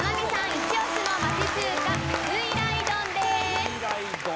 イチ押しの町中華酔来丼です。